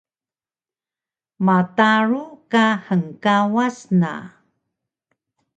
Mataru ka hngkawas na